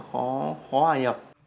khó hòa nhập